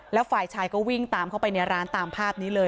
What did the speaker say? แล้วฝ่ายชายก็วิ่งตามเข้าไปในร้านตามภาพนี้เลย